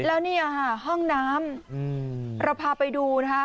แล้วเนี่ยค่ะห้องน้ำเราพาไปดูนะคะ